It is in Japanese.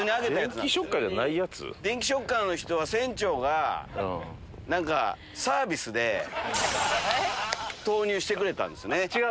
電気ショッカーのは船長がサービスで投入してくれたんです。